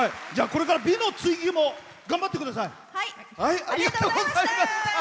これから美の追求も頑張ってください。